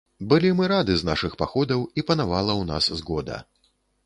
Былі мы рады з нашых паходаў, і панавала ў нас згода.